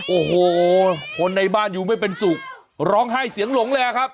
โอ้โหคนในบ้านอยู่ไม่เป็นสุขร้องไห้เสียงหลงเลยครับ